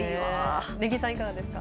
根木さん、いかがですか。